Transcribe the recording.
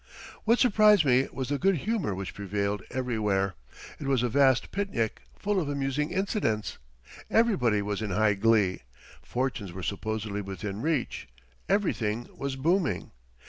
What surprised me was the good humor which prevailed everywhere. It was a vast picnic, full of amusing incidents. Everybody was in high glee; fortunes were supposedly within reach; everything was booming.